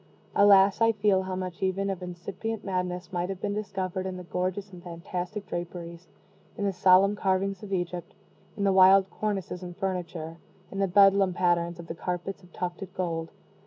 Alas, I feel how much even of incipient madness might have been discovered in the gorgeous and fantastic draperies, in the solemn carvings of Egypt, in the wild cornices and furniture, in the Bedlam patterns of the carpets of tufted gold!